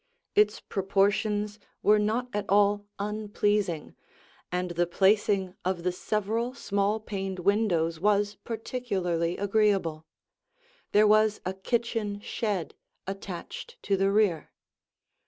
Its proportions were not at all unpleasing, and the placing of the several small paned windows was particularly agreeable. There was a kitchen shed attached to the rear.